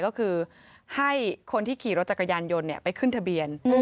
ก็คือให้คนที่ขี่รถจักรยานยนต์ไปขึ้นทะเบียน